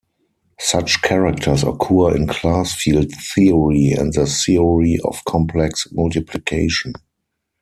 Such characters occur in class field theory and the theory of complex multiplication.